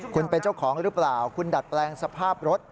คุณเป็นเจ้าของหรือเปล่าคุณดัดแปลงสภาพรถ